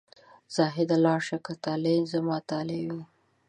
زاهده لاړ شه که طالع زما طالع وي.